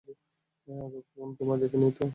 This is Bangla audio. আগে কখনো তোমায় এখানে দেখিনি।